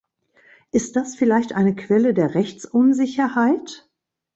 Ist das vielleicht eine Quelle der Rechtsunsicherheit?